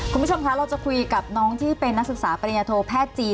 คุณผู้ชมคะเราจะคุยกับน้องที่เป็นนักศึกษาปริญญาโทแพทย์จีน